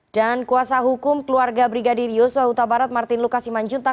dan kuasa hukum keluarga brigadir yosua huta barat martin lukas iman juntak